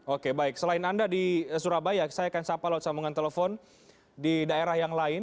oke baik selain anda di surabaya saya akan sapa lewat sambungan telepon di daerah yang lain